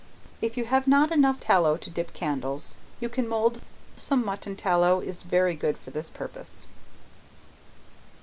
If you have not enough tallow to dip candles, you can mould some mutton tallow is very good for this purpose.